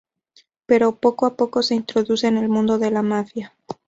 Pero, poco a poco, se introduce en el mundo de la mafia.